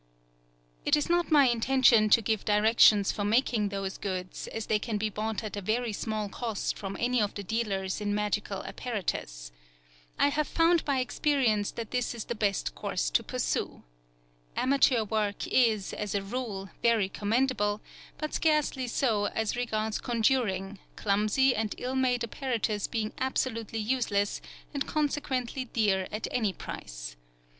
It is not my intention to give directions for making those goods, as they can be bought at a very small cost from any of the dealers in magical apparatus. I have found by experience that this is the best course to pursue. Amateur work is, as a rule, very commendable, but scarcely so as regards conjuring, clumsy and ill made apparatus being absolutely useless, and consequently dear at any price.